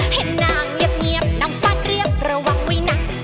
ให้นางเงียบเงียบนางฟาดเรียบระวังไว้นาง